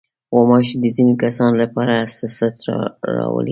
غوماشې د ځينو کسانو لپاره حساسیت راولي.